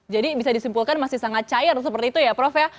jadi bisa disimpulkan masih sangat cair seperti itu ya prof ya